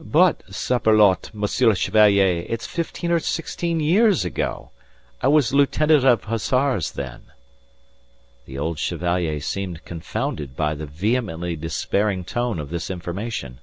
"But, saperlotte, Monsieur le Chevalier, it's fifteen or sixteen years ago. I was a lieutenant of Hussars then." The old Chevalier seemed confounded by the vehemently despairing tone of this information.